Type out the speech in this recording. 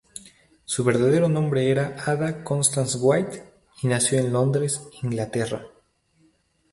Su verdadero nombre era Ada Constance White, y nació en Londres, Inglaterra.